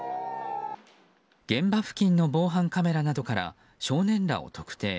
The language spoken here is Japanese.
現場付近の防犯カメラなどから少年らを特定。